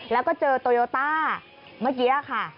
แล้วก็เจอโตโยต้าเมื่อกี้ค่ะ